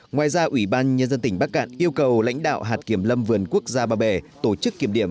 ngoài ra ủy ban nhân dân tỉnh bắc cạn yêu cầu lãnh đạo hạt kiểm lâm vườn quốc gia ba bể tổ chức kiểm điểm